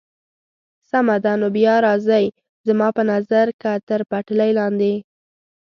سمه ده، نو بیا راځئ، زما په نظر که تر پټلۍ لاندې.